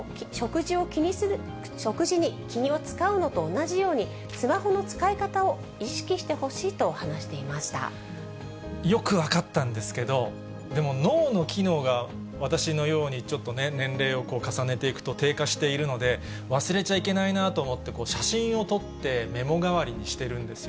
食事に気を遣うのと同じように、スマホの使い方を意識してほしいよく分かったんですけど、でも脳の機能が、私のようにちょっとね、年齢を重ねていくと、低下しているので、忘れちゃいけないなと思って、写真を撮ってメモ代わりにしてるんですよ。